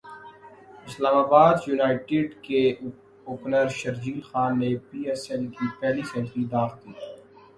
اسلام ابادیونائیٹڈ کے اوپنر شرجیل خان نے P S L کی پہلی سنچری داغ دی